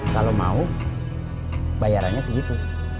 kalau mau bayarannya segitu